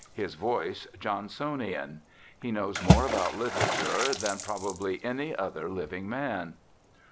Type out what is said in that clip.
His voice, Johnsonian. He knows more about literature than probably any other living man.